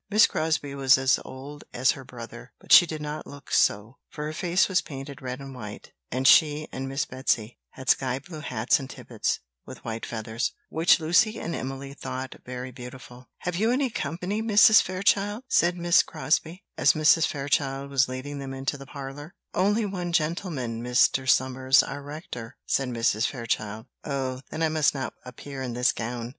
Miss Crosbie was as old as her brother, but she did not look so, for her face was painted red and white; and she and Miss Betsy had sky blue hats and tippets, with white feathers, which Lucy and Emily thought very beautiful. "Have you any company, Mrs. Fairchild?" said Miss Crosbie, as Mrs. Fairchild was leading them into the parlour. "Only one gentleman, Mr. Somers, our rector," said Mrs. Fairchild. "Oh! then I must not appear in this gown!